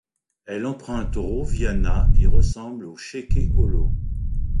Elle emprunte au roviana et ressemble au cheke holo.